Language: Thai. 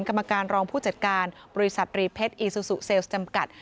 กรรมการรองผู้จัดการบริษัทรีเพชรอีซูซูเซลล์จำกัด